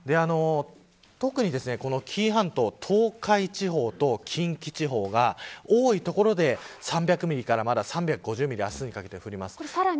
特に紀伊半島東海地方と近畿地方が多い所で３００ミリからまだ３５０ミリ明日にかけて降ります。